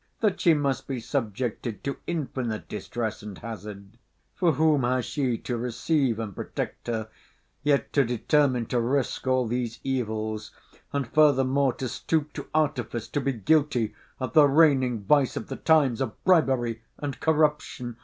That she must be subjected to infinite distress and hazard! For whom has she to receive and protect her? Yet to determine to risque all these evils! and furthermore to stoop to artifice, to be guilty of the reigning vice of the times, of bribery and corruption!